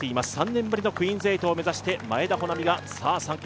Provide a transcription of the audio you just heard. ３年ぶりのクイーンズ８を目指しています。